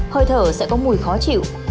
hơi thở sẽ có mùi khó chịu